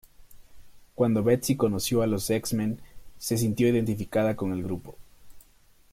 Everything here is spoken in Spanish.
Cuando Betsy conoció a los X-Men se sintió identificada con el grupo.